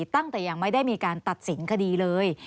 ตั้งแต่ยังไม่ได้มีการตัดสินคดีเลย